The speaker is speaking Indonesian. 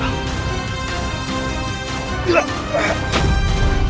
jangan senang dulu kau